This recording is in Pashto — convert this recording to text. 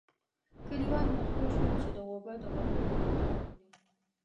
کلیوال مجبور شول چې د غوبه د وهلو پوښتنه وکړي.